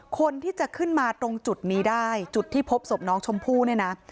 คนที่จะขึ้นมาตรงจุดนี้ได้จุดที่พบศพน้องชมพู่เนี่ยนะ